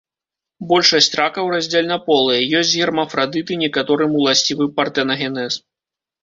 Большасць ракаў раздзельнаполыя, ёсць гермафрадыты, некаторым уласцівы партэнагенез.